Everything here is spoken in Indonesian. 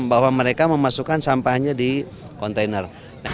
bahwa mereka memasukkan sampahnya di kontainer